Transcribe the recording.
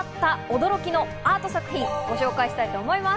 驚きのアート作品をご紹介したいと思います。